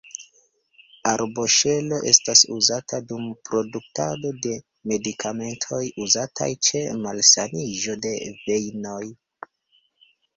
Arboŝelo estas uzata dum produktado de medikamentoj, uzataj ĉe malsaniĝo de vejnoj.